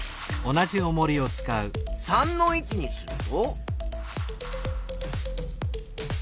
３の位置にすると。